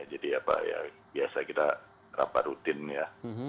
jadi apa ya biasa kita rapat rutin ya